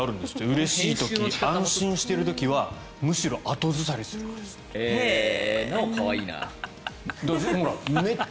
うれしい時、安心している時はむしろ後ずさりするんですって。